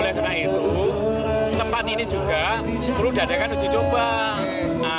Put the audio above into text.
ya teman teman lah untuk coba coba